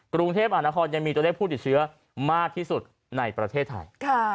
กรุงเทพอานครยังมีตัวเลขผู้ติดเชื้อมากที่สุดในประเทศไทย